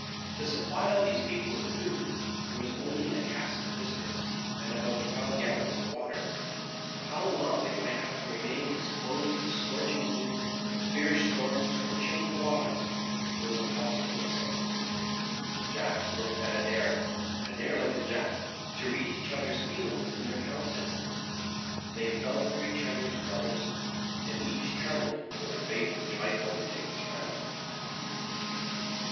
To supply all these people with food, there was only a cask of biscuits and about twelve gallons of water. How long they might have to remain exposed to scorching heat, fierce storms, or chilling fogs, it was impossible to say. Jack looked at Adair, and Adair looked at Jack, to read each other's feelings in their countenances. They felt for each other as brothers, and each trembled for the fate which might overtake his friend.